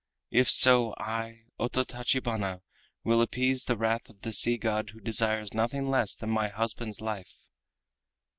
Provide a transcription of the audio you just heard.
If so, I, Ototachibana, will appease the wrath of the Sea God who desires nothing less than my husband's life!"